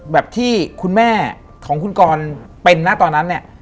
แบบที่คุณแม่ของคุณกรเป็นนะตอนนั้นเนี่ย